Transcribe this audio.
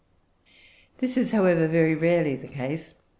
This is, however, very rarely the case.